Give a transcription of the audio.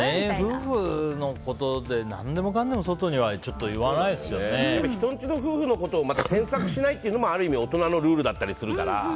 夫婦のことで何でもかんでも外には人んちの夫婦のことをまた詮索しないっていうのもある意味大人のルールだったりするから。